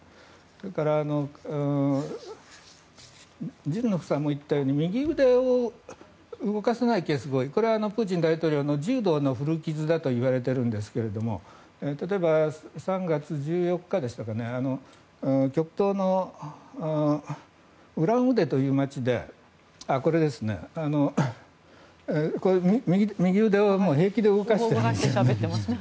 だからジルノフさんも言ったように右腕を動かせないケースこれはプーチン大統領の柔道の古傷だといわれていますが３月１４日でしたかね極東のウラン・ウデという街で右腕を平気で動かしていますね。